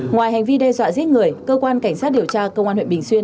ngoài hành vi đe dọa giết người cơ quan cảnh sát điều tra công an huyện bình xuyên